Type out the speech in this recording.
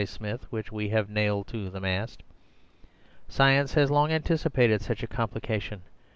Smith, which we have nailed to the mast. Science has long anticipated such a complication.